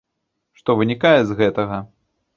Што вынікае з гэтага?